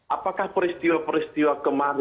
apakah peristiwa peristiwa yang berlaku